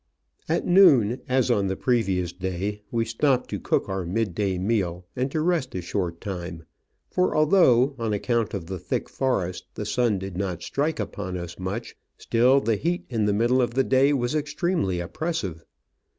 At noon, as ori the previous day, we stopped to cook our mid day meal and to rest a short time,* for although, on account of the thick forest, the sun did not strike upon us much, still the heat in the middle of the day was extremely oppressive.